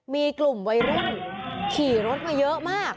มีกลุ่มวัยรุ่นขี่รถมาเยอะมาก